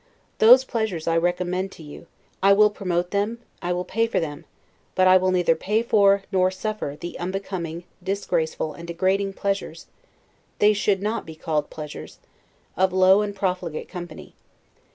Those pleasures I recommend to you; I will promote them I will pay for them; but I will neither pay for, nor suffer, the unbecoming, disgraceful, and degrading pleasures (they should not be called pleasures), of low and profligate company.